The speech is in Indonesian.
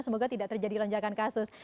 semoga tidak terjadi lonjakan kasus